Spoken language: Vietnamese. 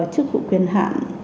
chức vụ quyền hạn